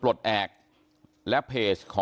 สวัสดีคุณผู้ชมครับสวัสดีคุณผู้ชมครับ